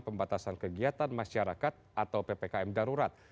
pembatasan kegiatan masyarakat atau ppkm darurat